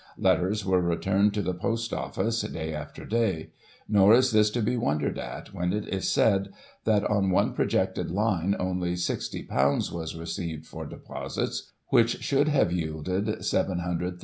Letters were returned to the Post Office day after day. Nor is this to be wondered at, when it is said that, on one projected line, only ;6^6o was received for deposits, which should have yielded ;£"700,ooo.